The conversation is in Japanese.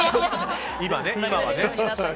今はね。